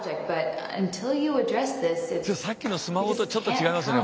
さっきのスマホとちょっと違いますね